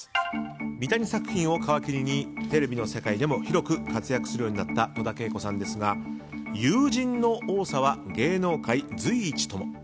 三谷作品を皮切りにテレビの世界でも広く活躍するようになった戸田恵子さんですが友人の多さは芸能界随一とも。